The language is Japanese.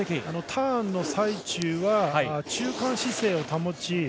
ターンの最中は中間姿勢を保ち